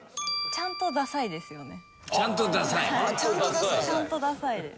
ちゃんとださいんですよね？